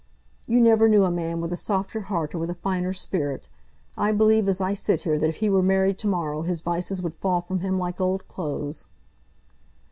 "You never knew a man with a softer heart or with a finer spirit. I believe as I sit here that if he were married to morrow, his vices would fall from him like old clothes."